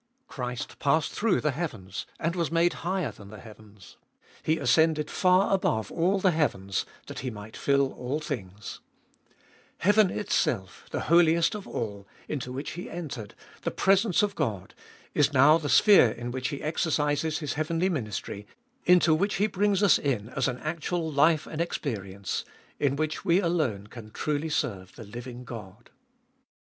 Christ passed through the heavens, was made higher than the heavens. He ascended far above all the Juavens, that He might fill all things. Gbe Tboltest of ail 321 Heaven itself, the Holiest of All, into which He entered, the presence of God, is now the sphere in which He exercises His heavenly ministry, into which He brings us in as an actual life and experience, in which we alone can truly serve the living God.